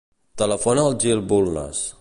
Telefona al Gil Bulnes.